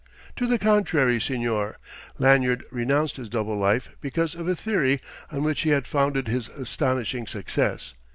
"To the contrary, señor; Lanyard renounced his double life because of a theory on which he had founded his astonishing success.